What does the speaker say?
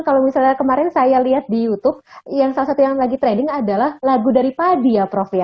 kalau misalnya kemarin saya lihat di youtube yang salah satu yang lagi trading adalah lagu dari padi ya prof ya